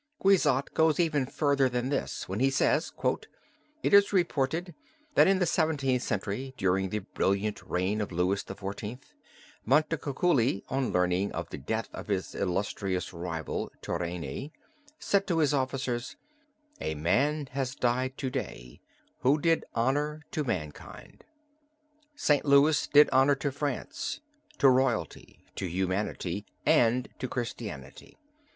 Guizot goes even further than this when he says, "It is reported that in the Seventeenth Century, during the brilliant reign of Louis XIV., Montecuculli, on learning of the death of his illustrious rival, Turenne, said to his officers, 'A man has died to day who did honor to mankind.' St. Louis did honor to France, to royalty, to humanity, and to Christianity.